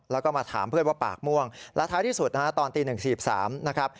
แล้วก็มาถามเพื่อนว่าปากม่วงแล้วท้ายที่สุดตอนตี๑สีบ๓